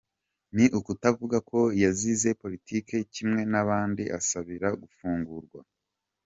Ni ukutavuga ko yazize politique kimwe n’abandi asabira gufungurwa?